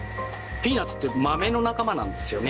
ピーナツって豆の仲間なんですよね。